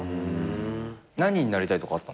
何になりたいとかあったんですか？